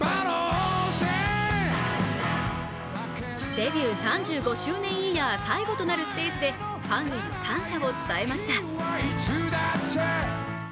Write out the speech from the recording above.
デビュー３５周年イヤー最後となるステージでファンへの感謝を伝えました。